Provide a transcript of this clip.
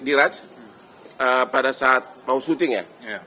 diraj pada saat mau syuting ya